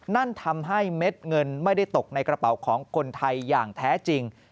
นั่นทำให้เม็ดเงินไม่ได้ตกในกระเป๋าของคนไทยอย่างแท้จริง